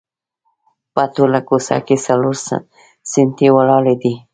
په ټوله کوڅه کې څلور ستنې ولاړې دي.